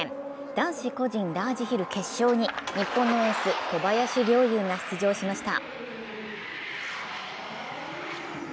男子個人ラージヒル決勝に日本のエース・小林陵侑が出場しました。